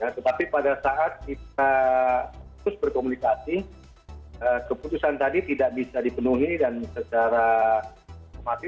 tetapi pada saat kita terus berkomunikasi keputusan tadi tidak bisa dipenuhi dan secara otomatis